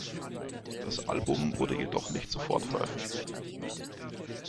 Das Album wurde jedoch nicht sofort veröffentlicht.